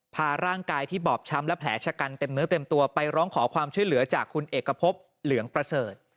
พาร่างกายที่บอบช้ำและแผลชะกันเต็มเนื้อเต็มตัวไปร้องขอความช่วยเหลือจากคุณเอกพบเหลืองประเสริฐ